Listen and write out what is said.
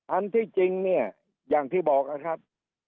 อันที่จริงเนี่ยอย่างที่บอกนะครับ